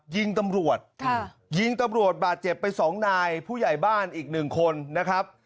ยิงตำรวจยิงตำรวจบาดเจ็บไปสองนายผู้ใหญ่บ้านอีกหนึ่งคนนะครับ